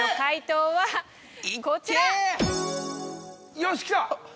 よしきた！